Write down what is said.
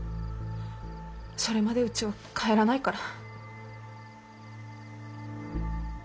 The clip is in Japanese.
それまでうちは帰らないから。